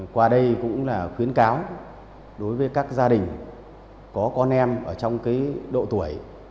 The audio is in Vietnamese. qua đây cũng là khuyến cáo đối với các gia đình có con em ở trong độ tuổi